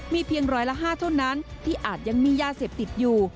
มีเพียงร้อยละ๕เท่านั้นที่อาจยังมียาเสพติดอยู่